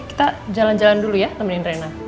oke kita jalan jalan dulu ya temenin rena